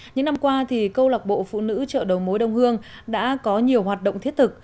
những năm qua câu lạc bộ phụ nữ chợ đầu mối đông hương đã có nhiều hoạt động thiết thực